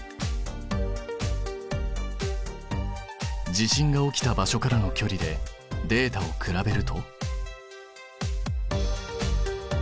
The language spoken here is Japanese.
地震が起きた場所からのきょりでデータを比べると？